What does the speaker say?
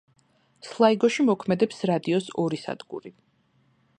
სლაიგოში მოქმედებს რადიოს ორი სადგური.